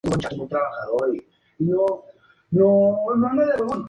El jardín y el castillo están abiertos al público.